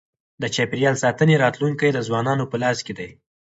د چاپېریال ساتنې راتلونکی د ځوانانو په لاس کي دی.